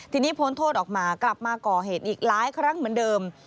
ทีนี้พ้นโทษออกมากลับมาก่อเหตุอีกหลายครั้งเหมือนเดิม